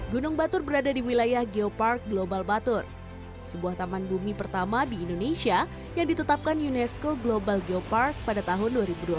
gunung batur berada di wilayah geopark global batur sebuah taman bumi pertama di indonesia yang ditetapkan unesco global geopark pada tahun dua ribu dua puluh